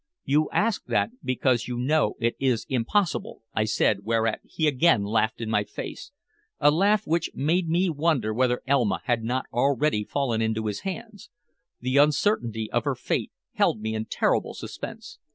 "You ask that because you know it is impossible," I said, whereat he again laughed in my face a laugh which made me wonder whether Elma had not already fallen into his hands. The uncertainty of her fate held me in terrible suspense.